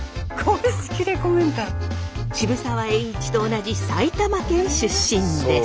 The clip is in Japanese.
渋沢栄一と同じ埼玉県出身です。